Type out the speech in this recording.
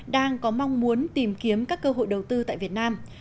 đang có mong muốn tìm kiếm các cơ hội đầu tư tại việt nam